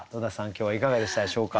今日はいかがでしたでしょうか？